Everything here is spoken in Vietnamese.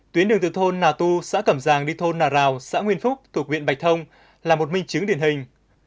tuyến đường từ thôn nà tu xã cẩm giàng đi thôn nà rào xã nguyên phúc thuộc huyện bạch thông là một minh chứng điển hình